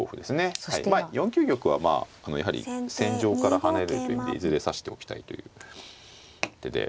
４九玉はまあやはり戦場から離れるという意味でいずれ指しておきたいという手で。